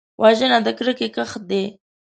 وژنه د کرکې کښت دی